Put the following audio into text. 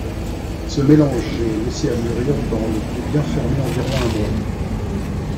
Ce mélange est laissé à mûrir dans le pot bien fermé environ un mois.